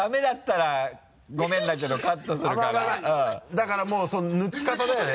だからもう抜き方だよね。